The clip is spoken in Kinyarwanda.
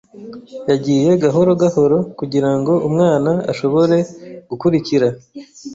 Yagiye gahoro gahoro kugirango umwana ashobore gukurikira.